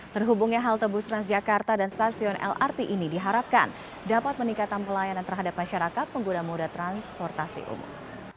terhubungnya halte bus transjakarta dan stasiun lrt ini diharapkan dapat meningkatkan pelayanan terhadap masyarakat pengguna moda transportasi umum